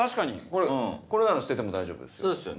これなら捨てても大丈夫ですよ。